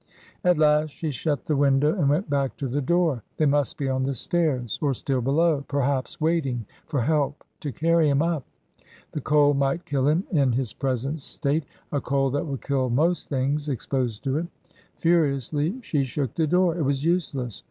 At last she shut the window and went back to the door. They must be on the stairs, or still below, perhaps, waiting for help to carry him up. The cold might kill him in his present state, a cold that would kill most things exposed to it. Furiously she shook the door. It was useless.